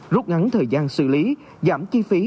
rút ngắn thời gian xử lý giảm chi phí